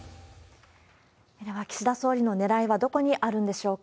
では、岸田総理のねらいはどこにあるんでしょうか。